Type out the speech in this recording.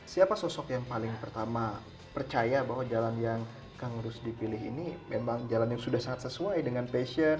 siapa sosok yang paling pertama percaya bahwa jalan yang kang rus dipilih ini memang jalan yang sudah sangat sesuai dengan passion